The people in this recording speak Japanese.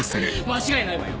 間違いないわよ。